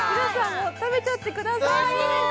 もう食べちゃってください